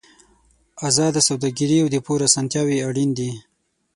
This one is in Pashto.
ازاده سوداګري او د پور اسانتیاوې اړین دي.